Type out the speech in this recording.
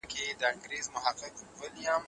آیا طبیعي اوبه تر پاکو سوو اوبو خوندوري دي؟